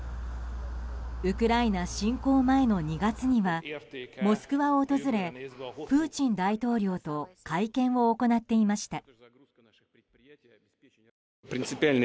ウクライナ侵攻前の２月にはモスクワを訪れプーチン大統領と会見を行っていました。